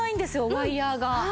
ワイヤが。